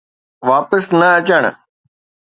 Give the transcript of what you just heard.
واپس نه اچڻ.